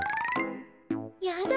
やだ。